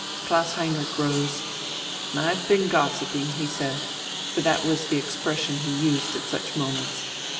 Klaus Heinrich rose. "I've been gossiping," he said; for that was the expression he used at such moments.